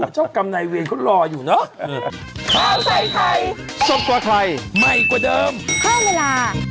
จ้าวกรรมนายเวรเขารออยู่เนอะ